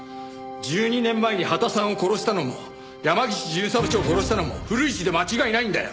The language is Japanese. １２年前に羽田さんを殺したのも山岸巡査部長を殺したのも古市で間違いないんだよ！